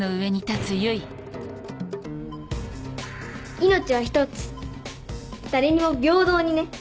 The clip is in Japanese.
命はひとつ誰にも平等にね。